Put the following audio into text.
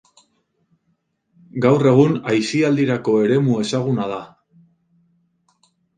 Gaur egun aisialdirako eremu ezaguna da.